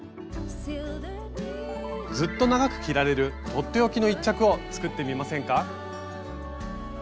ずっと長く着られるとっておきの１着を作ってみませんか？